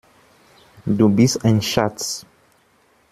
Du bist ein Schatz!